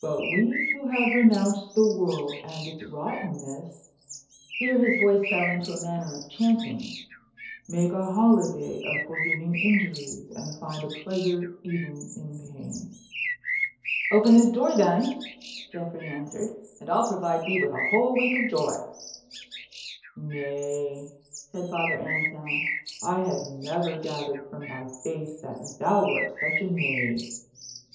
But we who have renounced the world and its rottenness" (here his voice fell into a manner of chanting) "make a holiday of forgiving injuries, and find a pleasure even in pain." "Open this door then," Geoffrey answered, "and I'll provide thee with a whole week of joy." "Nay," said Father Anselm, "I had never gathered from thy face that thou wert such a knave."